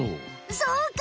そうか！